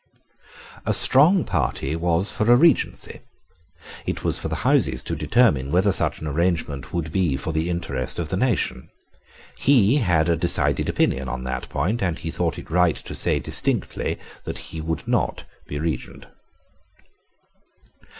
A strong party was for a Regency. It was for the Houses to determine whether such an arrrangement would be for the interest of the nation. He had a decided opinion on that point; and he thought it right to say distinctly that he would not be Regent.